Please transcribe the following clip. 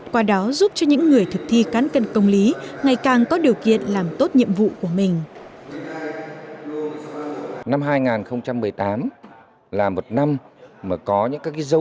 qua đó giúp cho những người thực thi cán cân công lý ngày càng có điều kiện làm tốt nhiệm vụ của mình